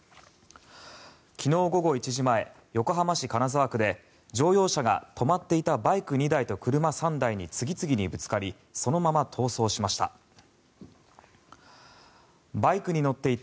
昨日午後１時前横浜市金沢区で乗用車が、止まっていたバイク２台と車３台に次々にぶつかりそのまま逃走しました。